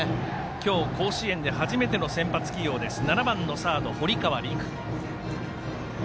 今日甲子園ではじめての先発起用、７番サード堀川琉空。